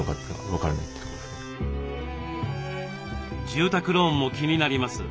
住宅ローンも気になります。